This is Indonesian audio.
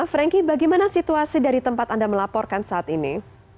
franky bagaimana situasi dari tempat anda melaporkan saat ini